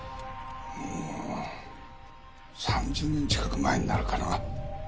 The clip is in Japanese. もう３０年近く前になるかな。